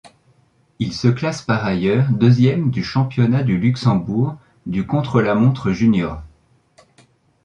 Il se classe par ailleurs deuxième du championnat du Luxembourg du contre-la-montre juniors.